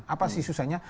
apa sih susahnya